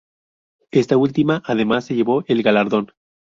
Esta última, además, se llevó el galardón.